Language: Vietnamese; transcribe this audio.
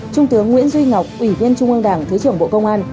trung tướng nguyễn duy ngọc ủy viên trung ương đảng thứ trưởng bộ công an